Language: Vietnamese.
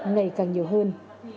ngày càng nhiều hơn